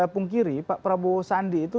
pungkiri pak prabowo sandi itu